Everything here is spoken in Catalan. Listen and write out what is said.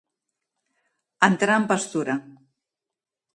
Entrar en pastura.